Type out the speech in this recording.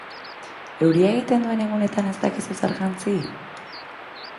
Euria egiten duen egunetan ez dakizu zer jantzi?